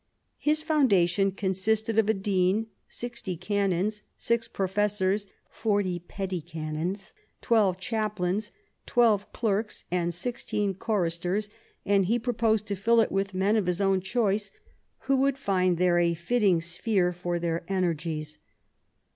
His founda tion consisted of a dean, sixty canons, six professors, forty petty canons, twelve chaplains, twelve clerks, and sixteen choristers ; and he proposed to fill it with men of his own choice, who would find there a fitting sphere for their energies.